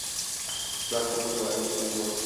زخم متورم و سوزناک